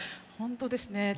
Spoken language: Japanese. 本当ですね。